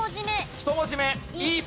１文字目「い」。